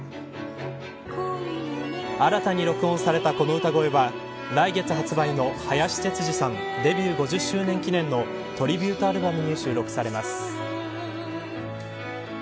新たに録音されたこの歌声は来月発売の林哲司さんデビュー５０周年記念のトリビュートアルバムに収録されます。